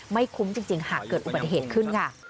ไม่คุ้มจริงหากเกิดอุบัติเหตุขึ้นค่ะ